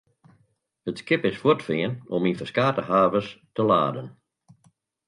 It skip is fuortfearn om yn ferskate havens te laden.